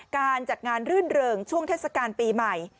การจัดงานรื่นเริงช่วงเทศกาลปีใหม่